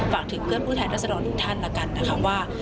ฝากถึงเพื่อนผู้แทนรัศดรทุกท่านแล้วกันนะคะว่า